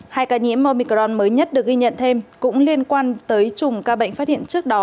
hai ca nhiễm mycron mới nhất được ghi nhận thêm cũng liên quan tới chùm ca bệnh phát hiện trước đó